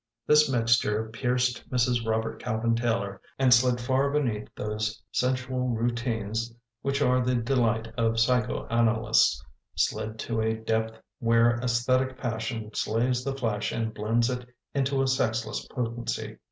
This mixture pierced Mrs. Robert Calvin Taylor and slid far beneath those sensual routines which are the delight of psycho analysts — slid to a depth where aesthetic passion slays the flesh and blends it into a sexless potency.